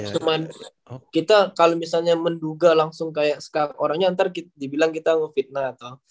cuman kita kalo misalnya menduga langsung kayak orangnya ntar dibilang kita ngefitnah atau